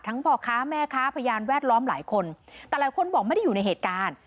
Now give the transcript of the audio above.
พ่อค้าแม่ค้าพยานแวดล้อมหลายคนแต่หลายคนบอกไม่ได้อยู่ในเหตุการณ์